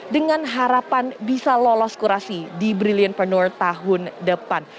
dengan harapan bisa lolos kurasi di brilliantpreneur tahun depan